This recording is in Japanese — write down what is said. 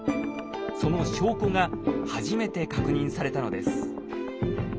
その証拠が初めて確認されたのです。